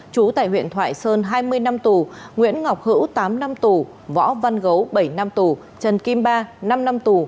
chú tại huyện thoại sơn hai mươi năm tù nguyễn ngọc hữu tám năm tù võ văn gấu bảy năm tù trần kim ba năm năm tù